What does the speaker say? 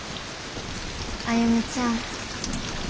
歩ちゃん。